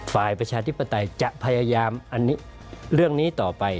ฝ่ายประชาธิปตัยจะพยายามเรื่องนี้ต่อไป